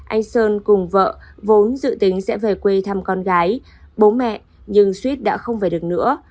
anh sơn cùng vợ vốn dự tính sẽ về quê thăm con gái bố mẹ nhưng suýt đã không về được nữa